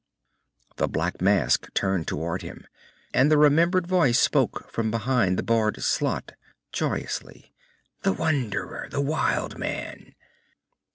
_" The black mask turned toward him, and the remembered voice spoke from behind the barred slot, joyously. "The wanderer. The wild man!"